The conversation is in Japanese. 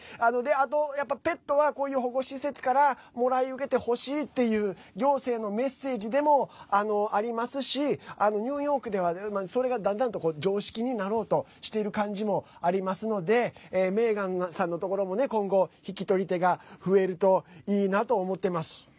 あと、やっぱりペットはこういう保護施設からもらい受けてほしいっていう行政のメッセージでもありますしニューヨークではそれが、だんだんと常識になろうとしている感じもありますのでメーガンさんのところも今後、引き取り手が増えるといいなと思ってます。